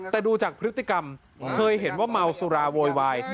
แต่ดูจากพฤติกรรมเคยเห็นว่าเมาสุราโวยวาย